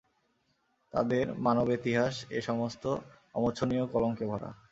তাদের মানবেতিহাস এ সমস্ত অমোছনীয় কলঙ্কে ভরা।